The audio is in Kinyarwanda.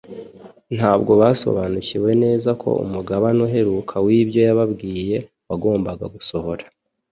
Ntabwo basobanukiwe neza ko umugabane uheruka w'ibyo yababwiye wagombaga gusohora